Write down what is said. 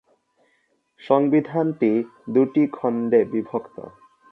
সংবিধানটি দুটি খণ্ডে বিভক্ত।